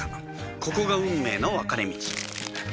ここが運命の分かれ道